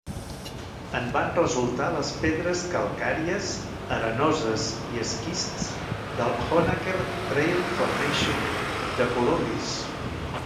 En van resultar les pedres calcàries, arenoses i esquists del Honaker Trail Formation, de color gris.